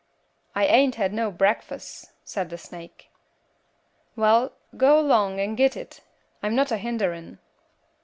"'I ain't had no brekfuss,' said the snake. "'Well go 'long 'n git it; I'm not a hinderin'.'